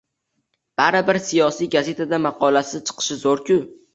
Baribir, siyosiy gazetada maqolasi chiqishi zo`r-ku